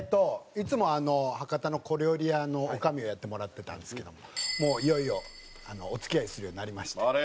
いつも博多の小料理屋の女将をやってもらってたんですけどももういよいよお付き合いするようになりまして。